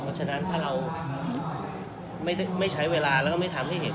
เพราะฉะนั้นถ้าเราไม่ใช้เวลาแล้วก็ไม่ทำให้เห็น